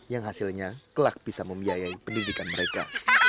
yang hasilnya kelak bisa membiayai pendidikan mereka